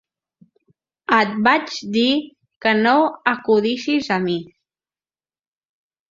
Et vaig dir que no acudissis a mi!